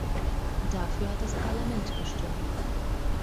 Dafür hat das Parlament gestimmt.